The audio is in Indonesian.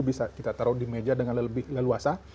bisa kita taruh di meja dengan lebih leluasa